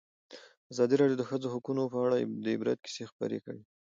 ازادي راډیو د د ښځو حقونه په اړه د عبرت کیسې خبر کړي.